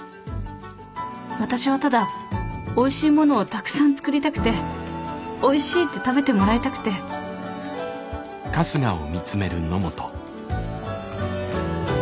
私はただおいしいものをたくさん作りたくておいしいって食べてもらいたくてすごい。